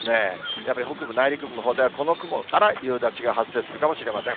やっぱり北部、内陸部のほうではこの雲から夕立が発生するかもしれません。